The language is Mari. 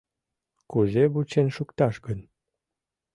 Кузе вучен шукташ гын?